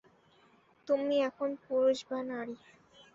তুমি এখন পুরুষ বা নারী।